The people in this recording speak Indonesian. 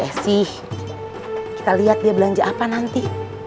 masih kita lihat dia belanja apa nanti